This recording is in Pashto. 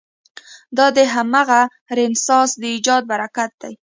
دا د همغه رنسانس د ایجاد براکت دی.